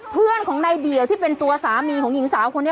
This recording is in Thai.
เพื่อนของนายเดี่ยวที่เป็นตัวสามีของหญิงสาวคนนี้